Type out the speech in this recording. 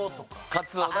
カツオだ！